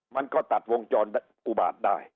มันก็ตัดวงจรอุบาตได้